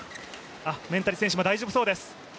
メンタリ選手も大丈夫そうです。